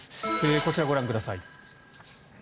こちらをご覧ください。